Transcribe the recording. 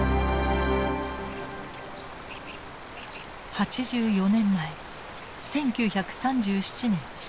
８４年前１９３７年７月７日。